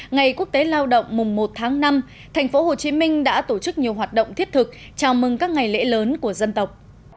ngày quốc tế lao động mùng một tháng năm tp hcm đã tổ chức nhiều hoạt động thiết thực chào mừng các ngày lễ lớn của dân tộc